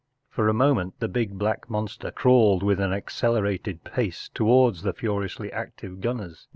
For a moment the big black monster crawled with an accelerated pace towards the furiously active gunners.